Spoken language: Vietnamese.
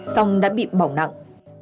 song đã bị bỏng nặng